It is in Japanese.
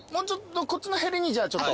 こっちのへりにじゃあちょっと。